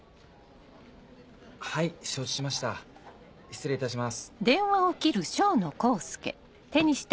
はい承知しました失礼いたします。